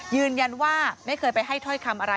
ยืนยันว่าไม่เคยให้เทาะคำอะไร